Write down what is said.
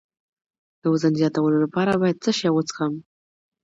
د وزن زیاتولو لپاره باید څه شی وڅښم؟